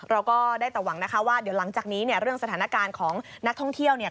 เราก็ได้แต่หวังนะคะว่าเดี๋ยวหลังจากนี้เนี่ยเรื่องสถานการณ์ของนักท่องเที่ยวเนี่ย